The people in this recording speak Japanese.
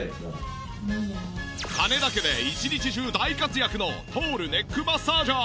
金田家で１日中大活躍のトールネックマッサージャー。